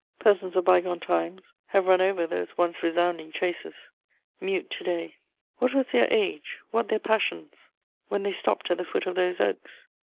Persons of bygone times have run over those once resounding chases, mute to day. What was their age, what their passions, when they stopped at the foot of those oaks?